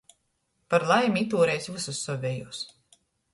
Par laimi, itūreiz vysus sovejūs.